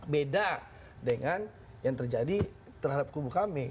beda dengan yang terjadi terhadap kubu kami